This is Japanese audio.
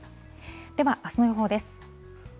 ではあすの予報です。